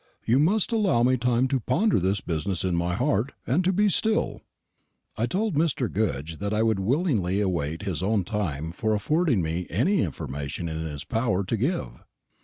You must allow me time to ponder this business in my heart and to be still." I told Mr. Goodge that I would willingly await his own time for affording me any information in his power to give.